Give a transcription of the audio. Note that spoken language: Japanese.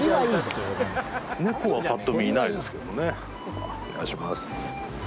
猫はぱっと見いないですけどもねお願いします